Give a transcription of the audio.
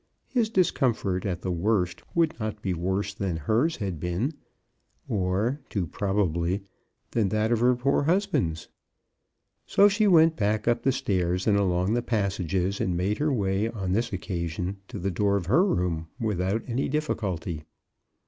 His discomfort at the worst would not be worse than 30 CHRISTMAS AT THOMPSON HALL. hers had been — or, too probably, than that of her poor husband. So she went back up the stairs and along the passages, and made her way on this occasion to the door of her room without any difficulty.